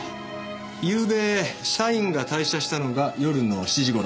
ゆうべ社員が退社したのが夜の７時ごろ。